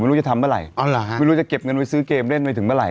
ไม่รู้จะทำเบล่าอ๋อเหรอฮะไม่รู้จะเก็บเงินหมดซื้อเกมเล่นไปถึงเบล่า